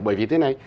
bởi vì thế này